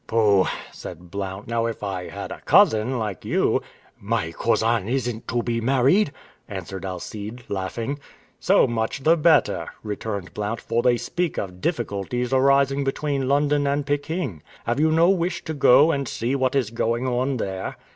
"Pooh!" said Blount. "Now if I had a cousin like you " "My cousin isn't to be married!" answered Alcide, laughing. "So much the better," returned Blount, "for they speak of difficulties arising between London and Pekin. Have you no wish to go and see what is going on there?"